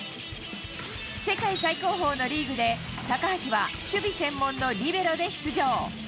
世界最高峰のリーグで、高橋は守備専門のリベロで出場。